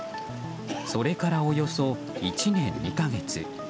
それから、およそ１年２か月。